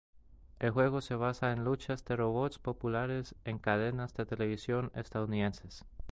El juego se basa en luchas de robots, populares en cadenas de televisión estadounidenses.